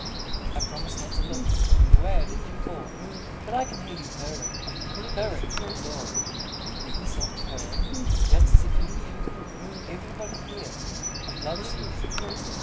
_ I promised not to look (The way I did before), But I can hear you purring Purring, through the door: A green, soft, purring; Just as if you knew: _Everybody here Loves you.